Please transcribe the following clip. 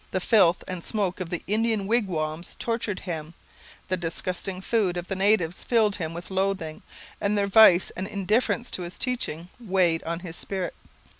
The filth and smoke of the Indian wigwams tortured him, the disgusting food of the natives filled him with loathing, and their vice and indifference to his teaching weighed on his spirit.